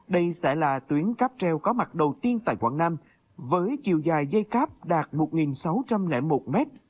đây sẽ là tuyến cáp treo có mặt đầu tiên tại quảng nam với chiều dài dây cáp đạt một sáu trăm linh một m